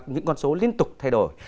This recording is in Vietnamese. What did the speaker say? những con số liên tục thay đổi